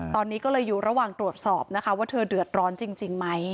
ตอนนี้ก็เลยอยู่ระหว่างตรวจสอบนะคะว่าเธอเดือดร้อนจริงไหม